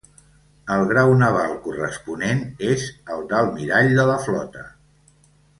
El grau naval corresponent és el d'Almirall de la Flota.